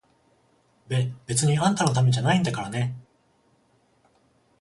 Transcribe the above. べ、別にあんたのためじゃないんだからね！